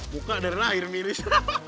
buka dari lahir miris